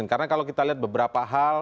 karena kalau kita lihat beberapa hal